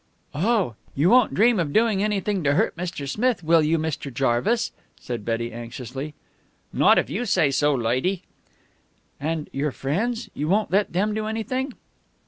"Oh! You won't dream of doing anything to hurt Mr. Smith, will you, Mr. Jarvis?" said Betty anxiously. "Not if you say so, loidy." "And your friends? You won't let them do anything?"